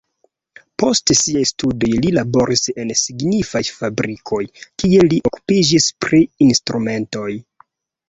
Post siaj studoj li laboris en signifaj fabrikoj, kie li okupiĝis pri instrumentoj.